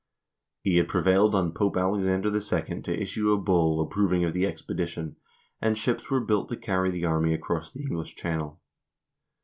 He had prevailed on Pope Alexander II. to issue a bull approving of the expedition, and ships wore built to carry the army across the English Channel.